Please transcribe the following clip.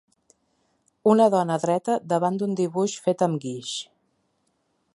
Una dona dreta davant d'un dibuix fet amb guix